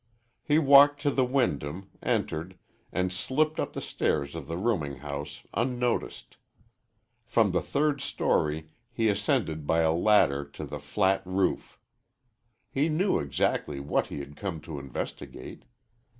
He walked to the Wyndham, entered, and slipped up the stairs of the rooming house unnoticed. From the third story he ascended by a ladder to the flat roof. He knew exactly what he had come to investigate.